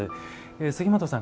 杉本さん